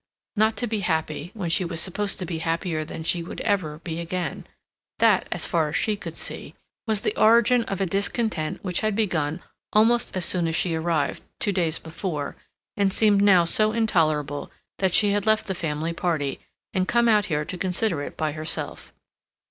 Not to be happy, when she was supposed to be happier than she would ever be again—that, as far as she could see, was the origin of a discontent which had begun almost as soon as she arrived, two days before, and seemed now so intolerable that she had left the family party, and come out here to consider it by herself.